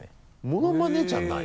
ものまねじゃない。